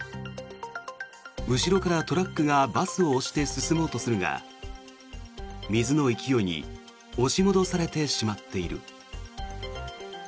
後ろからトラックがバスを押して進もうとするが水の勢いに押し戻されてしまっている。